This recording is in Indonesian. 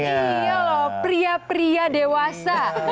iya loh pria pria dewasa